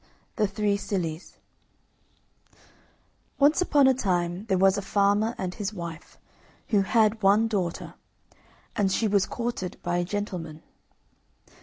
THE THREE SILLIES Once upon a time there was a farmer and his wife who had one daughter, and she was courted by a gentleman.